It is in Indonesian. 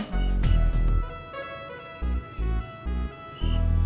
tidak tidak tidak